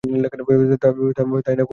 তাই না, গেরাল্ডিন, বুড়ি মেয়ে?